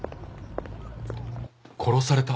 殺された！？